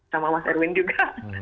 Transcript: sama mas erwin juga